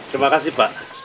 terima kasih pak